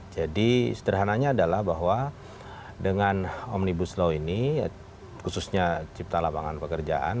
jadi sederhananya adalah bahwa dengan omnibus law ini khususnya cipta lapangan pekerjaan